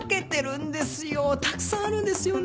たくさんあるんですよね？